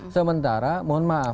sementara mohon maaf